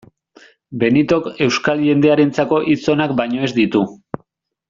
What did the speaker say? Benitok euskal jendearentzako hitz onak baino ez ditu.